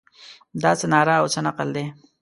دا څه ناره او څه نقل دی.